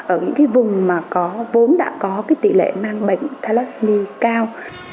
ở những cái vùng mà có vốn đã có cái tỷ lệ mang bệnh thalasmi cao